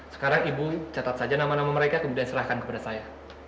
sekarang ibu catat saja nama nama mereka kemudian serahkan kepada saya